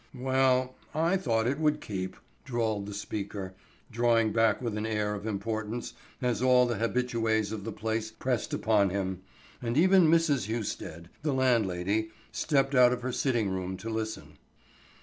"Well, I thought it would keep," drawled the speaker, drawing back with an air of importance as all the habitués of the place pressed upon him, and even Mrs. Husted, the landlady, stepped out of her sitting room to listen.